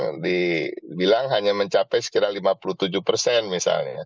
yang dibilang hanya mencapai sekitar lima puluh tujuh persen misalnya